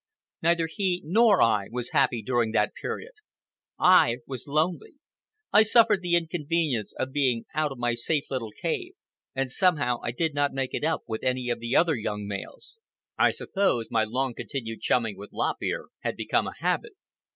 Neither he nor I was happy during that period. I was lonely. I suffered the inconvenience of being cast out of my safe little cave, and somehow I did not make it up with any other of the young males. I suppose my long continued chumming with Lop Ear had become a habit.